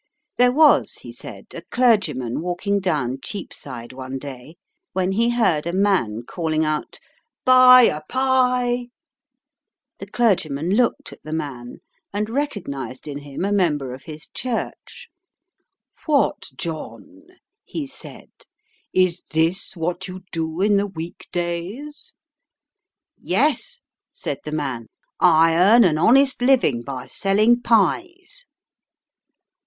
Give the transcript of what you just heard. There was, he said, a clergyman walking down Cheapside one day, when he heard a man calling out, "Buy a pie." The clergyman looked at the man, and recognised in him a member of his church. "What, John," he said, "is this what you do in the weekdays?" "Yes," said the man, "I earn an honest living by selling pies."